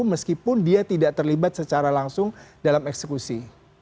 meskipun dia tidak terlibat secara langsung dalam eksekusi